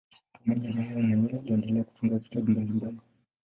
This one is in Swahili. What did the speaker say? Pamoja na hayo mwenyewe aliendelea kutunga vitabu mbalimbali.